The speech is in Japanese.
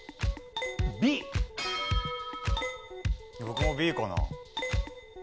僕もＢかな。